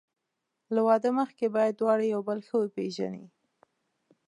له واده مخکې باید دواړه یو بل ښه وپېژني.